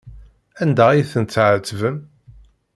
Anda ay tent-tɛettbem?